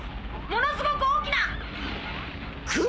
ものすごく大きな！雲？